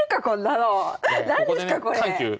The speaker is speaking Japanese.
何ですかこれ！